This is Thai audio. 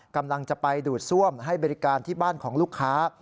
กำลังจะไปดูดซ่วมให้บริการที่บ้านของลูกค้า